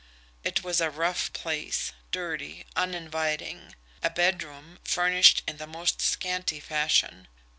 It was a rough place, dirty, uninviting; a bedroom, furnished in the most scanty fashion.